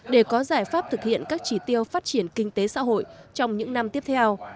để có giải pháp thực hiện các chỉ tiêu phát triển kinh tế xã hội trong những năm tiếp theo